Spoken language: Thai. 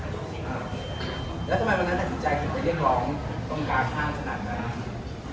แล้วทำไมวันนั้นถึงใจถึงไปเรียกร้องตรงกลางห้างสนับการณ์